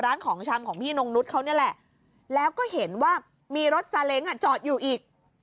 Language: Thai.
ของชำของพี่นงนุษย์เขานี่แหละแล้วก็เห็นว่ามีรถซาเล้งอ่ะจอดอยู่อีก